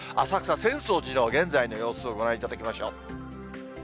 浅草、浅草寺の現在の様子をご覧いただきましょう。